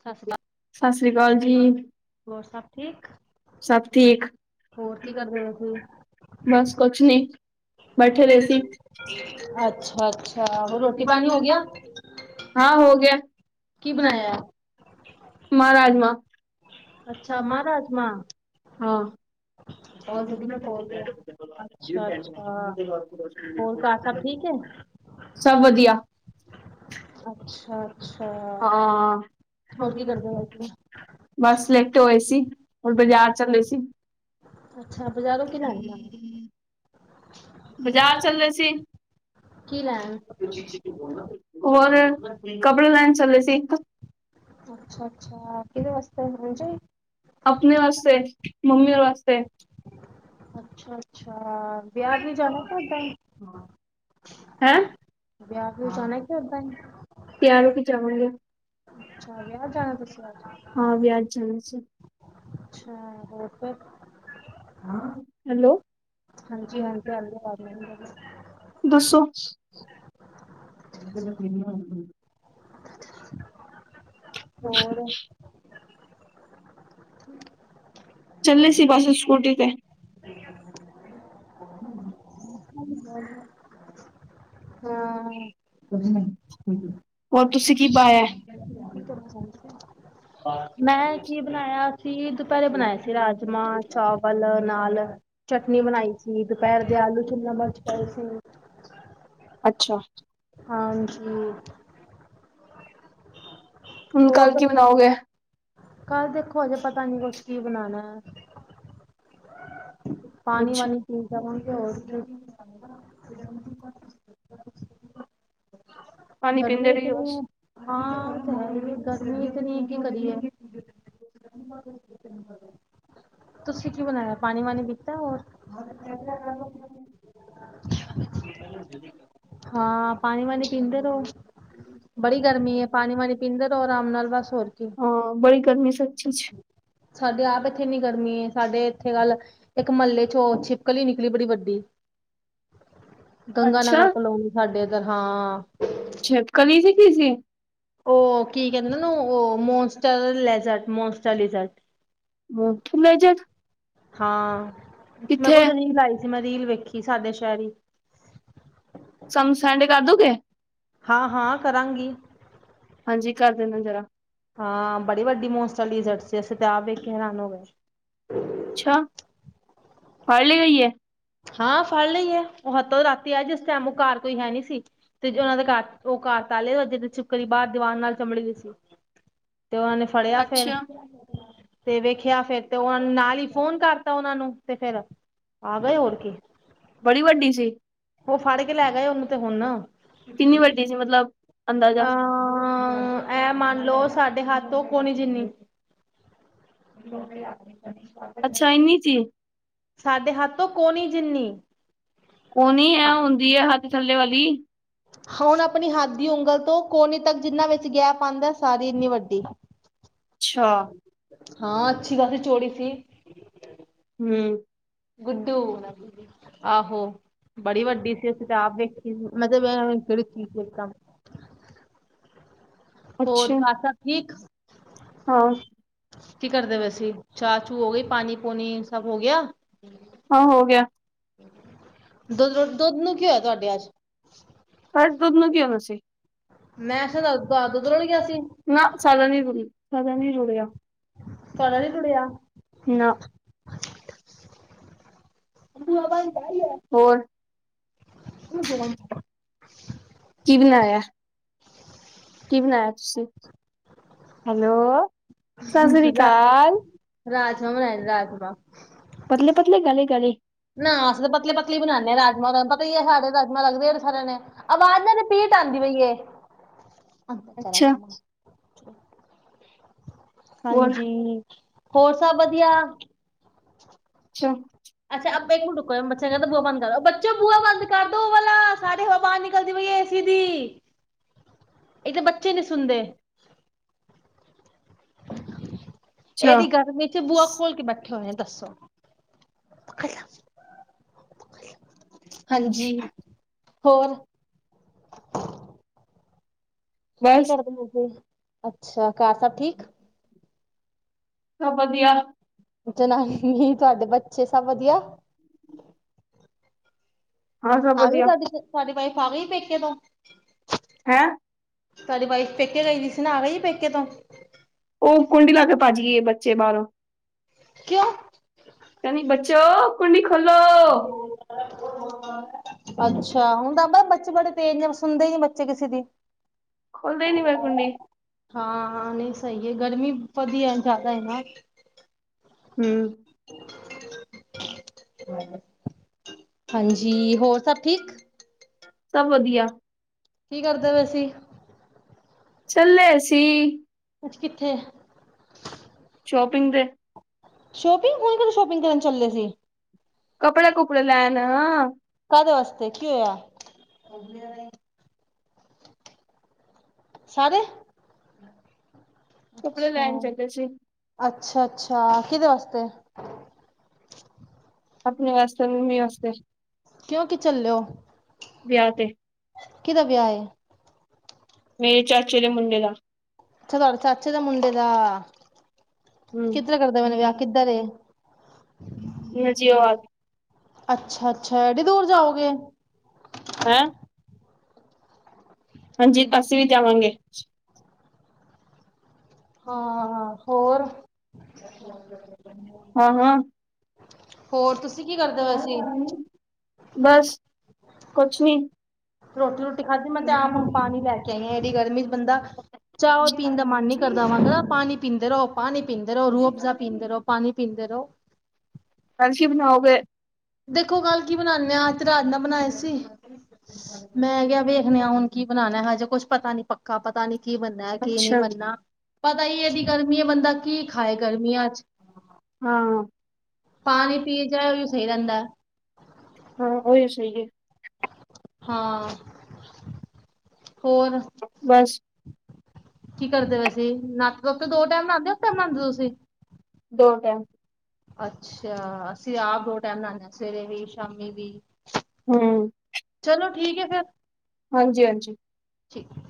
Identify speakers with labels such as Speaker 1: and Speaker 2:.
Speaker 1: ਸਤਿ ਸ੍ਰੀ ਅਕਾਲ
Speaker 2: ਸਸ ਸ੍ਰੀ ਕਾਲ ਜੀ।
Speaker 1: ਹੋਰ ਸਭ ਠੀਕ
Speaker 2: ਸਭ ਠੀਕ
Speaker 1: ਹੋਰ ਕੀ ਕਰਦੇ ਪਏ ਸੀ?
Speaker 2: ਬਸ ਕੁਛ ਨੀ। ਬੈਠੇ ਦੇ ਸੀ।
Speaker 1: ਅੱਛਾ ਅੱਛਾ
Speaker 2: ਅੱਛਾ-ਅੱਛਾ
Speaker 1: ਹੋਰ
Speaker 2: ਰੋਟੀ
Speaker 1: ਪਾਣੀ
Speaker 2: ਪਾਨੀ ਹੋ ਗਿਆ। ਹਾਂ ਹੋ ਗਿਆ। ਕਿ
Speaker 1: ਕੀ
Speaker 2: ਬਨਾਐ?
Speaker 1: ਬਣਾਇਆ?
Speaker 2: ਮਾਂ ਰਾਜਮਾ।
Speaker 1: ਅੱਛਾ! ਮਾਂ ਰਾਜਮਾ।
Speaker 2: ਹਾਂ [inaudible]
Speaker 1: ਅੱਛਾ-ਅੱਛਾ ਹੋਰ ਘਾਰ ਸਭ ਠੀਕ ਏ। ਸਭ ਵਧੀਆ ਅੱਛਾ-ਅੱਛਾ।
Speaker 2: ਹਾਂ ਬਸ ਲੇਟੇ ਹੋਏ ਸੀ, ਹੁਣ ਬਾਜ਼ਾਰ ਚੱਲੇ ਸੀ।
Speaker 1: ਅੱਛਾ ਬਜ਼ਾਰੋਂ ਕਿ ਲੈਨ ਜਾਨਾ।
Speaker 2: ਬਾਜ਼ਾਰ ਚਲੇ ਸੀ।
Speaker 1: ਕੀ ਲੈਣ?
Speaker 2: ਹੋਰ ਕੱਪੜੇ ਲੈਨ ਚੱਲੇ ਸੀ।
Speaker 1: ਅੱਛਾ-ਅੱਛਾ ਕਿਦੇ ਵਾਸਤੇ ਉਂਜੇਈ, ਆਪਣੇ
Speaker 2: ਮੰਮੀ ਔਰ ਵਾਸਤੇ
Speaker 1: ਵਾਸਤੇ। ਅੱਛਾ-ਅੱਛਾ ਵਿਆ ਵਿਯੂ ਜਾਨਾ ਕੇ ਔਂਦਾ ਈ।
Speaker 2: ਹੈਂ
Speaker 1: ਵਿਆ ਵਿਯੂ ਜਾਨਾ ਕੇ ਔਂਦਾ ਈ।
Speaker 2: ਤੇਆਰ ਹੋ ਕੇ ਜਾਵਾਗੇ।
Speaker 1: ਅੱਛਾ ਵਿਆ ਜਾਨਾ ਤੁਸੀਂ ਅੱਜ।
Speaker 2: ਹਾਂ ਵਿਆਹ ਜਾਣਾ ਸੀ
Speaker 1: ਅੱਛਾ ਹੋਰ ਫੇਰ।
Speaker 2: ਹੈਲੋ
Speaker 1: ਹਾਂਜੀ ਆਂਦੀ ਆਵਾਜ਼ ਮੈਨੂੰ
Speaker 2: ਦੱਸੋ। [unintelligible]
Speaker 1: ਹੋਰ
Speaker 2: [inaudible] ਚੱਲੇ ਸੀ ਬਸ ਸਕੂਟੀ ਤੇ
Speaker 1: [inaudible]
Speaker 2: [inaudible]
Speaker 1: [inaudible] ਹਾਂ
Speaker 2: ਹੋਰ ਤੁਸੀਂ ਕੀ ਪਾਇਐ?
Speaker 1: [inaudible] ਮੈਂ ਕੀ ਬਨਾਏਆ ਸੀ ਦੁਪੈਰੇ ਬਨਾਏ ਸੀ, ਰਾਜਮਾਂ ਚਾਵਲ ਨਾਲ ਚਟਨੀ ਬਣਾਈ ਸੀ ਦੁਪਹਿਰ ਦੇ ਆਲੂ ਸ਼ਿਮਲਾ ਮਰਚ ਪਏ ਸੀ
Speaker 2: ਅੱਛਾ
Speaker 1: ਹਾਂਜੀ
Speaker 2: ਹੁਣ
Speaker 1: ਹੋਰ
Speaker 2: ਕੱਲ ਕੀ
Speaker 1: ਦੱਸੋ
Speaker 2: ਬਣਾਓਗੇ
Speaker 1: ਕੱਲ ਦੇਖੋ ਹਜੇ ਪਤਾ ਨੀ ਕੁਛ ਕੀ ਬਣਾਣਾ ਐ ਪਾਣੀ
Speaker 2: ਅੱਛਾ
Speaker 1: ਵਾਣੀ [unintelligible]
Speaker 2: ਪਾਣੀ
Speaker 1: ਗਰਮੀ
Speaker 2: ਪੀਂਦੇ ਰਹੀਓ
Speaker 1: ਇਤਨੀ
Speaker 2: ਬਸ
Speaker 1: ਐ ਹਾਂ ਤਾਂ ਹੈ ਗਰਮੀ ਇਤਨੀ ਕੀ ਕਰੀਏ
Speaker 2: [inaudible]
Speaker 1: [unintelligible] ਤੁਸੀਂ ਕੀ ਬਣਾਇਆ ਪਾਣੀ ਵਾਣੀ ਪੀਤਾ ਐ ਹੋਰ ਹਾਂ ਪਾਣੀ ਵਾਣੀ ਪੀਂਦੇ ਰਹੋ ਬੜੀ ਗਰਮੀ ਐ ਪਾਣੀ ਵਾਣੀ ਪੀਂਦੇ ਰਹੋ ਆਰਾਮ ਨਾਲ ਬਸ ਹੋਰ ਕੀ
Speaker 2: ਹਾਂ [unintelligible]
Speaker 1: ਸਾਡੇ ਆਪ ਇਥੇ ਮੀਂ ਗਰਮੀ ਐ ਸਾਡੇ ਇੱਥੇ ਕੱਲ ਇੱਕ ਮਹੱਲੇ ਚੋਂ ਹੋਰ ਛਿਪਕਲ ਹੀ ਨਿਕਲੀ ਬੜੀ ਵੱਡੀ ਗੰਗਾ ਨਗਰ ਕਲੋਨੀ ਸਾਡੇ ਇੱਧਰ ਹਾਂ
Speaker 2: ਸ਼ਿਪਕਲੀ ਸੀ ਕੀ ਸੀ
Speaker 1: ਉਹ ਕੀ ਕਹਿੰਦੇ ਨਾ ਉਹ ਮੋਸਟਰ ਲੈਜਟ ਮੋਸਟ ਲਿਜਾਰਟ
Speaker 2: [unintelligible]
Speaker 1: ਹਾਂ ਮੇਰੇ
Speaker 2: ਕਿੱਥੇ
Speaker 1: ਕੋਲ ਤਾਂ ਰੀਲ ਆਈ ਸੀ ਮੈਂ ਰੀਲ ਵੇਖੀ ਸਾਡੇ ਸ਼ਹਿਰ ਈ
Speaker 2: ਸਮ ਸੈਂਡ ਕਰ ਦੋਗੇ
Speaker 1: ਹਾਂ ਹਾਂ ਕਰਾਂਗੀ
Speaker 2: ਹਾਂਜੀ ਕਰ ਦੇਣਾ ਜ਼ਰਾ
Speaker 1: ਹਾਂ ਬੜੀ ਵੱਡੀ [unintelligible] ਸੀ ਅਸੀਂ ਤਾਂ ਆਪ ਵੇਖ ਕੇ ਹੈਰਾਨ ਹੋ ਗੇ
Speaker 2: ਅੱਛਾਂ ਫੜਲੀ ਗਈ ਐ
Speaker 1: ਹਾਂ ਫੜ ਲਈ ਐ ਉਹ ਹੱਥੋਂ ਰਾਤੀ ਆਇ ਜਿਸ ਟਾਈਮ ਉਹ ਘਰ ਕੋਈ ਹੈ ਨੀ ਸੀ ਤੇ ਉਹਨਾਂ ਦੇ ਘਰ [unintelligible] ਤੇ ਉਹਨਾਂ ਨੇ ਫੜਿਆ ਫੇਰ
Speaker 2: ਅੱਛਾ
Speaker 1: ਤੇ ਵੇਖਿਆ ਫੇਰ ਤੇ ਉਹ ਨਾਲ ਹੀ ਫੋਨ ਕਰਤਾ ਉਹਨਾਂ ਨੂੰ ਤੇ ਫੇਿਰ ਆ ਗਏ ਹੋਰ [inaudible]
Speaker 2: ਬੜੀ ਵੱਡੀ ਸੀ
Speaker 1: ਉਹ ਫੜ ਕੇ ਲੈ ਗਏ ਉਹਨੂੰ ਤੇ ਹੁਣ
Speaker 2: ਕਿੰਨੀ ਵੱਡੀ ਸੀ ਮਲਬ
Speaker 1: ਅ ਐ ਮੰਨ ਲੋ ਸਾਡੇ ਹੱਥ ਤੌ ਕੋਣੀ ਜਿੰਨੀ
Speaker 2: ਅੱਛਾ ਇੰਨੀ ਜੀ
Speaker 1: ਸਾਡੇ ਹੱਥ ਤੋ ਕੋਨੀ ਜਿੰਨੀ
Speaker 2: ਕੋਨੀ ਹੈ ਹੁੰਦੀ ਐ ਹੱਥ ਥੱਲੇ ਵਾਲੀ
Speaker 1: ਹੁਣ ਆਪਣੀ ਹੱਥ ਦੀ ਉਂਗਲ ਤੋਂ ਕੋਨੀ ਤੱਕ ਜਿੰਨਾਂ ਵਿੱਚ ਗੈਪ ਆਂਦਾ ਸਾਰੀ ਇੰਨੀ ਵੱਡੀ
Speaker 2: ਅੱਛਾ
Speaker 1: ਹਾਂ ਅੱਛੀ ਖਾਸੀ ਚੋੜੀ ਥੀ
Speaker 2: ਹੂੰ
Speaker 1: ਗੁਡੂ ਆਹੋ ਬੜੀ ਵੱਡੀ ਸੀ ਅਸੀਂ ਤੇ ਆਪ ਵੇਖੀ ਮਤਲਬ ਕਿਹੜੀ ਚੀਜ਼ ਦਾ [unintelligible] ਹੋਰ
Speaker 2: ਅੱਛਾ
Speaker 1: ਘਰ ਸਭ ਠੀਕ
Speaker 2: ਹਾਂ
Speaker 1: ਕੀ ਕਰਦੇ ਪਏ ਸੀ ਚਾਹ ਚੂ ਹੋ ਗਈ ਪਾਣੀ ਪੂਣੀ ਸਭ ਹੋ ਗਿਆ
Speaker 2: ਹਾਂ ਹੋ ਗਿਆ
Speaker 1: ਦੁੱਧ ਰ ਦੁੱਧ ਨੂੰ ਕਿ ਹੋਇਆ ਤੁਹਾਡੇ ਅੱਜ
Speaker 2: ਘੱਟ ਦੁੱਧ ਨੂੰ ਕਿ ਹੋਣਾ ਸੀ
Speaker 1: [unintelligible]
Speaker 2: ਨਾ ਸਾਡਾ ਨਹੀਂ ਰੁੜਿਆ ਸਾਡਾ ਨਹੀਂ
Speaker 1: ਤੁਹਾਡਾ ਨੀ ਰੁੜਿਆ
Speaker 2: ਰੁੜਿਆ ਨਾ
Speaker 1: ਬੂਆ ਬੰਦ ਕਰ ਲੈ।
Speaker 2: ਹੋਰ ਕੀ ਬਣਾਇਆ ਕੀ ਬਣਾਇਆ ਤੁਸੀ ਹੈਲੋ ਸਤਿ ਸ਼੍ਰੀ ਅਕਾਲ
Speaker 1: ਰਾਜਮਾਂ ਬਣਾਏ ਰਾਜਮਾਂ
Speaker 2: ਪਤਲੇ-ਪਤਲੇ ਗਾੜੇ-ਗਾੜੇ
Speaker 1: ਨਾ ਅਸੀ ਤਾਂ ਪਤਲੇ ਪਤਲੇ ਹੀ ਬਣਾਣੇ ਆ ਰਾਜਮਾ ਪਤਾ ਹੀ ਆ ਸਾਡੇ ਰਾਜਮਾ ਲੱਗਦੇ ਸਾਰਿਆਂ ਨੇ ਆਵਾਜ਼ ਨਾ ਰਪੀਟ ਆਂਦੀ ਪਈ ਏ
Speaker 2: ਅੱਛਾ ਬੋਲ
Speaker 1: ਹਾਂਜੀ, ਹੋਰ ਸਭ ਵਧੀਆ?
Speaker 2: ਅੱਛਾ
Speaker 1: ਅੱਛਾ ਇੱਕ ਮਿੰਟ ਰੁਕੋ ਬੱਚਾ ਕਹਿੰਦਾ ਬੂਆ ਬੰਦ ਕਰੋ ਬੱਚੋ ਬੂਆ ਬੰਦ ਕਰ ਦੋ ਉਹ ਵਾਲਾ ਸਾਰੀ ਹਵਾ ਬਾਹਰ ਨਿਕਲਦੀ ਪਈ ਏ ਏ ਸੀ ਦੀ ਇਕ ਤਾਂ ਬੱਚੇ ਨਹੀਂ ਸੁਣਦੇ
Speaker 2: ਅੱਛਾ
Speaker 1: ਇਹਦੀ ਗਰਮੀ ਚ ਬੂਆ ਖੋਲ ਕੇ ਬੈਠੇ ਕੀ ਹੋਇਆ ਦੱਸੋ ਹਾਂਜੀ ਹੋਰ ਕੀ
Speaker 2: ਬਸ
Speaker 1: ਕਰਦੇ ਮੋਗੇ ਅੱਛਾ ਘਰ ਸਭ ਠੀਕ
Speaker 2: ਸਭ ਵਧੀਆ
Speaker 1: ਜਨਾਨੀ ਤੁਹਾਡੇ ਬੱਚੇ ਸਭ ਵਧੀਆ
Speaker 2: ਹਾਂ ਸਭ
Speaker 1: ਆਗੀ
Speaker 2: ਵਧੀਆ
Speaker 1: ਤੁਹਾਡੀ ਤੁਹਾਡੀ ਵਾਈਫ ਆਗੀ ਪੇਕੇ ਤੋਂ
Speaker 2: ਹੈ
Speaker 1: ਤੁਹਾਡੀ ਵਾਈਫ ਪੇਕੇ ਗਈ ਵੀ ਸੀ ਆ ਗਈ ਪੇਕੇ ਤੋਂ
Speaker 2: ਉਹ ਕੁੰਡੀ ਲਾ ਕੇ ਭੱਜ ਗਈ ਏ ਬੱਚੇ ਬਾਹਰੋਂ
Speaker 1: ਕਿਉਂ
Speaker 2: ਬੱਚੋ ਕੁੰਡੀ ਖੋਲੋ
Speaker 1: ਅੱਛਾ ਹੁਣ ਤਾਂ ਬੱਚੇ ਬੜੇ ਤੇਜ਼ ਨੇ ਸੁਣਦੇ ਨੀ ਬੱਚੇ ਕਿਸੇ ਦੀ
Speaker 2: ਖੋਲਦੇ ਨੀ ਬਾਹਰ ਕੁੰਡੀ
Speaker 1: ਹਾਂ, ਹਾਂ ਨਹੀਂ ਸਹੀ ਏ ਗਰਮੀ ਵਧੀਆ ਜ਼ਿਆਦਾ ਏ ਨਾ
Speaker 2: ਹੂੰ
Speaker 1: ਹਾਂਜੀ ਹੋਰ ਸਭ ਠੀਕ
Speaker 2: ਸਭ ਵਧੀਆ
Speaker 1: ਕੀ ਕਰਦੇ ਪਏ ਸੀ
Speaker 2: ਚੱਲੇ ਸੀ
Speaker 1: ਅੱਜ ਕਿੱਥੇ
Speaker 2: ਸ਼ੋਪਿੰਗ ਤੇ
Speaker 1: ਸ਼ੋਪਿੰਗ ਹੁਣ ਕਿਥੇ ਸ਼ੋਪਿੰਗ ਕਰਨ ਚੱਲੇ ਸੀ
Speaker 2: ਕੱਪੜੇ ਕੁਪੜੇ ਲੈਣ
Speaker 1: ਕਾਹਦੇ ਵਾਸਤੇ ਕੀ ਹੋਇਆ ਸਾਰੇ
Speaker 2: ਕੱਪੜੇ
Speaker 1: ਅੱਛਾ
Speaker 2: ਲੈਣ ਚੱਲੇ ਸੀ
Speaker 1: ਅੱਛਾ, ਅੱਛਾ ਕਿਹਦੇ ਵਾਸਤੇ
Speaker 2: ਆਪਣੇ ਵਾਸਤੇ ਮੰਮੀ ਵਾਸਤੇ
Speaker 1: ਕਿਉਂ ਕਿ ਚੱਲੇ ਓ।
Speaker 2: ਵਿਆਹ ਤੇ।
Speaker 1: ਕਿਦਾ ਵਿਆਹ ਏ?
Speaker 2: ਮੇਰੇ ਚਾਚੇ ਦੇ ਮੁੰਡੇ ਦਾ।
Speaker 1: ਅੱਛਾ, ਤੁਹਾਡੇ ਚਾਚੇ ਦੇ ਮੁੰਡੇ ਦਾ,
Speaker 2: ਹਮ
Speaker 1: ਕਿੱਧਰ ਕਰਦੇ ਪਏ ਨੇ ਵਿਆਹ, ਕਿੱਧਰ ਏ?
Speaker 2: ਗਾਜੀਆਬਾਦ।
Speaker 1: ਅੱਛਾ-ਅੱਛਾ, ਐਡੀ ਦੂਰ ਜਾਓਗੇ?
Speaker 2: ਹੈਂ! ਹਾਂਜੀ, ਅਸੀ ਵੀ ਜਾਵਾਂਗੇ। ਹਾਂ, ਓਹੀ [unintelligible] ਹਾਂ-ਹਾਂ।
Speaker 1: ਹੋਰ ਤੁਸੀਂ ਕੀ ਕਰਦੇ ਪਏ ਸੀ
Speaker 2: ਬਸ, ਕੁਛ ਨੀ।
Speaker 1: ਰੋਟੀ-ਰੁਟੀ ਖਾਧੀ ਮੈਂ ਤੇ ਆਪ ਹੁਨ ਪਾਨੀ ਲੈ। ਕੈ ਰੇਐ ਏਡੀ ਗਰਮੀ'ਚ ਬੰਦਾ, ਚਾਓ ਪੀਨ ਦਾ ਮਨ ਨੀ ਕਰਦਾ, ਮਤਲਬ ਪਾਨੀ। ਪੀਂਦੇ ਰੋ ਪਾਨੀ, ਪੀਂਦੇ ਰੋ ਰੂਅਫ਼ਜ਼ਾ, ਪੀਂਦੇ ਰੋ ਪਾਨੀ, ਪੀਂਦੇ ਰੋ।
Speaker 2: ਅਜ ਕੀ ਬਨਾਓਗੇ?
Speaker 1: ਦੇਖੋ ਕੱਲ ਕੀ ਬਨਾਨੇ ਆ, ਅੱਜ 'ਤੇ ਰਾਜਮਾ ਬਨਾਏ ਸੀ। ''ਮੈਂ ਕਿਆ ਵੇਖਨੇ ਆ, ਹੁਨ ਕੀ ਬਨਾਨੈ? ਹਜੇ, ਕੁੱਛ ਪਤਾ ਨੀ ਪੱਕਾ ਪਤਾ ਨੀ ਕੀ ਬ ਦਾਲ-ਘੀਆ ਨੀ
Speaker 2: ਅੱਛਾ।
Speaker 1: ਬਨਨਾ, ਪਤਾ ਈ ਏ, ਏਡੀ ਗਰਮੀ ਏ, ਬੰਦਾ ਕੀ ਖਾਏ ਗਰਮੀਆਂ 'ਚ?
Speaker 2: ਹਾਂ, ਸਾਗ
Speaker 1: ਪਾਣੀ
Speaker 2: ਵਿਚ
Speaker 1: ਪੀ
Speaker 2: ਪਤਾ
Speaker 1: ਜਾਏ ਉਹੀ
Speaker 2: ਕੀ
Speaker 1: ਸਹੀ
Speaker 2: ਪੈਂਦਾ?
Speaker 1: ਰਹਿੰਦਾ
Speaker 2: ਹਾਂ, ਔਈਓ ਸਹੀ ਜੇ।
Speaker 1: ਹਾਂ, ਹੋਰ?
Speaker 2: ਬਸ।
Speaker 1: ਕੀ ਕਰਦੇ ਪਏ ਸੀੇ, ਨ੍ਹਾਤੇ- ਧੋਤੇ ਦੋ ਟੈਮ ਨ੍ਹਾਦੇ ਓ, ਇਕ ਵਾਰ ਨ੍ਹਾਦੇ ਓ ਤੁਸੀ?
Speaker 2: ਦੋ ਟੈਮ।
Speaker 1: ਅੱਛਾ, ਅਸੀਂ ਆਪ ਦੋ ਟੈਮ ਨ੍ਹਾਨੇ ਆ, ਸਵੇਰੇ ਵੀ, ਸ਼ਾਮੀ ਵੀ।
Speaker 2: ਹੂੰ
Speaker 1: ਚਲੋ ਠੀਕ ਐ ਫਿਰ,
Speaker 2: ਹਾਂਜੀ-ਹਾਂਜੀ।
Speaker 1: ਠੀਕ ਏ।